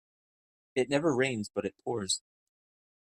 It never rains but it pours.